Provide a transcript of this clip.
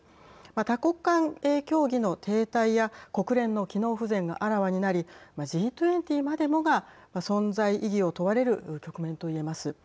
多国間協議の停滞や国連の機能不全があらわになりＧ２０までもが存在意義を問われる局面と言えます。